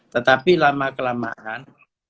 tetapi lama kelamaan